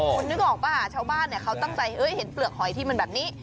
คุณนึกออกป่ะชาวบ้านเขาตั้งใจเห็นเปลือกหอยที่มันแบบนี้